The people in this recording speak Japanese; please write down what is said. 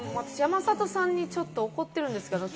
私、山里さんにちょっと怒ってるんですけど。